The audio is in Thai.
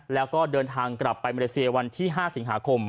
แล้วก็เดินทางกลับไปมาเลเซียวันที่๕สิงหาคม